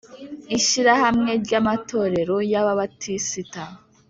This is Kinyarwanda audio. Ishyirahamwe ry Amatorero y Ababatisita